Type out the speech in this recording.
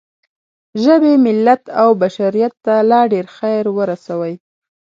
ژبې، ملت او بشریت ته لا ډېر خیر ورسوئ.